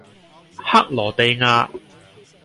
克羅地亞